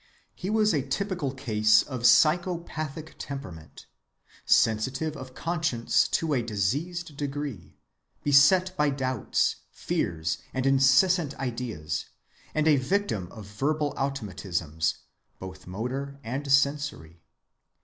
He was a typical case of the psychopathic temperament, sensitive of conscience to a diseased degree, beset by doubts, fears, and insistent ideas, and a victim of verbal automatisms, both motor and sensory.